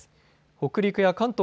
北陸や関東